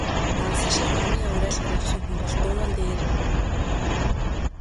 Нансал шиг намын уриалгаар явсан хүн бол дуун дээр...